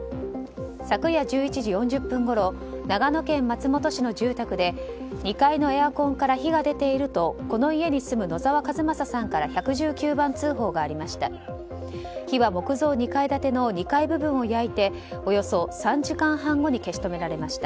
昨夜１１時４０分ごろ長野県松本市の住宅で２階のエアコンから火が出ているとこの家に住む野澤和正さんから１１９番通報がありました。